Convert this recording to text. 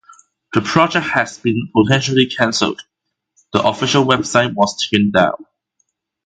The project has been potentially cancelled; the official website was taken down.